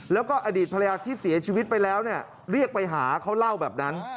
แล้วก็อดีตภรรยาที่เสียชีวิตไปแล้วเรียกไปหาเขาเล่าแบบนั้น